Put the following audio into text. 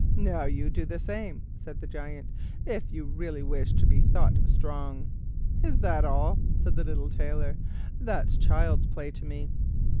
"Now you do the same," said the Giant, "if you really wish to be thought strong." "Is that all?" said the little Tailor; "that's child's play to me."